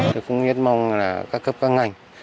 tôi cũng yết mong là các cấp các ngành